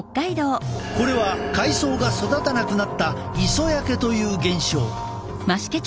これは海藻が育たなくなった磯焼けという現象。